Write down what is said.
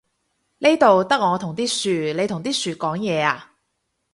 呢度得我同啲樹，你同啲樹講嘢呀？